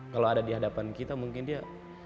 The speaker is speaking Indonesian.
kalau ada di hadapan kita mungkin dia